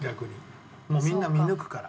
もうみんな見抜くから。